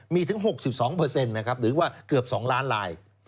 มีถึง๖๒นะครับหรือว่าเกือบ๒ล้านลาย